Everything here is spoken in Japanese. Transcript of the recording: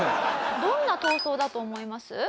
どんな闘争だと思います？